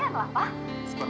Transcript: ya udah aku pulang sekarang